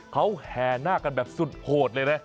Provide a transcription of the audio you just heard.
เขาแห่นาคกันแบบสุดโหดเลยนะ